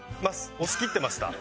押し切ってました。